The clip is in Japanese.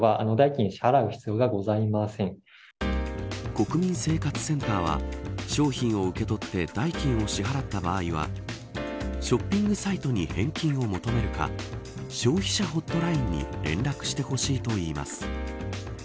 国民生活センターは商品を受け取って代金を支払った場合はショッピングサイトに返金を求めるか消費者ホットラインに連絡してほしいといいます。